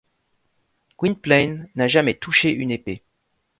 Gwynplaine n’a jamais touché une épée.